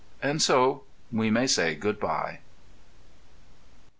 And so we may say good bye.